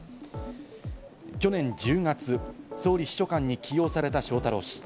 去年１０月、総理秘書官に起用された翔太郎氏。